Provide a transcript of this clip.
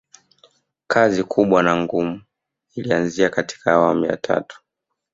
kazi kubwa na ngumu ilianzia katika awamu ya tatu